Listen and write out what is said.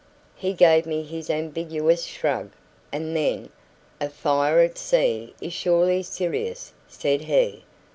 He gave me his ambiguous shrug; and then, "A fire at sea is surely sirrious," said he.